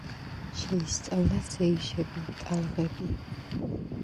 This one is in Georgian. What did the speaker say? შეისწავლა სეიშები, ტალღები.